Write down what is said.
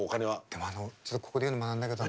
でもあのちょっとここで言うのも何だけど。